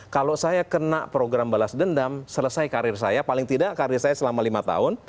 kalau saya kena program balas dendam selesai karir saya paling tidak karir saya selama lima tahun